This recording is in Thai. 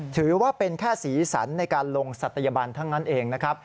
ถือว่าเป็นแค่สีสันในการลงศัตยบันทั้งนั้นเองนะครับ